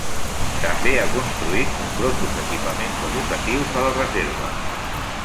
També ha construït nombrosos equipaments educatius a la reserva.